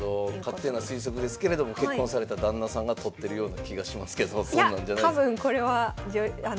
勝手な推測ですけれども結婚された旦那さんが撮ってるような気がしますけどそんなんじゃないですか？